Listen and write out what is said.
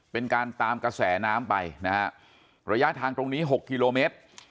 เป็นการตามกระแสน้ำไปนะฮะระยะทางตรงนี้๖กิโลเมตร